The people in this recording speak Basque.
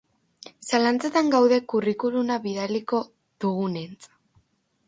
Zalantzatan gaude curriculuma bidaliko dugunentz.